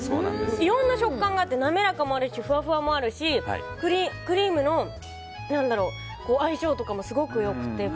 いろんな食感があってなめらかもあるしふわふわもあるしクリームの相性とかもすごく良くて。